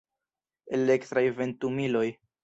Elektraj ventumiloj.